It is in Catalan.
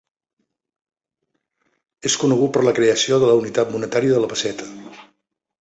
És conegut per la creació de la unitat monetària de la pesseta.